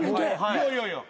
いやいやいや。